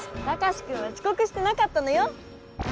タカシくんはちこくしてなかったのよ！